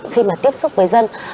khi mà tiếp xúc với dân